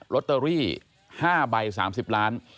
ลอตเตอรี่๕ใบ๓๐ล้าน